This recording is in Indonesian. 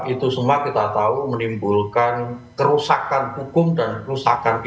itu semua kita tahu menimbulkan kerusakan hukum dan kerusakan kita